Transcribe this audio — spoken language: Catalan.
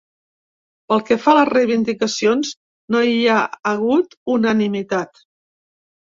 Pel que fa a les reivindicacions, no hi ha hagut unanimitat.